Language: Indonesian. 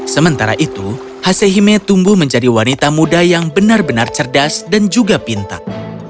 sementara itu hasehime tumbuh menjadi wanita muda yang benar benar cerdas dan juga pintar